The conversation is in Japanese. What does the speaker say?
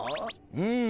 うん。